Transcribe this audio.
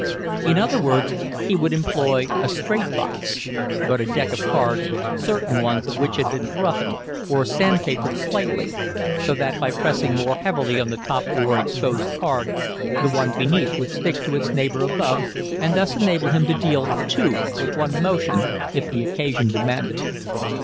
In other words, he would employ a "straight box," but a deck of cards, certain ones of which had been roughened or sand papered slightly, so that, by pressing more heavily on the top or exposed card, the one beneath would stick to its neighbor above, and thus enable him to deal two with one motion if the occasion demanded.